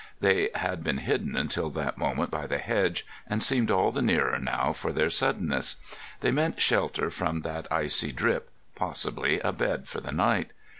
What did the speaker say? They had been hidden until that moment by the hedge, and seemed all the nearer now for their suddenness. They meant shelter from that icy drip, possibly a bed for the night.